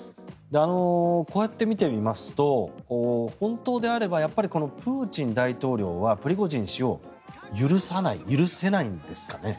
こうやって見てみますと本当であればプーチン大統領はプリゴジン氏を許さない許せないんですかね？